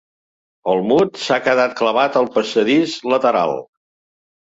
El Mud s'ha quedat clavat al passadís lateral.